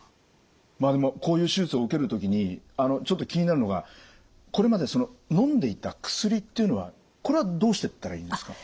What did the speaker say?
でもこういう手術を受ける時にちょっと気になるのがこれまでのんでいた薬っていうのはこれはどうしてったらいいんですか？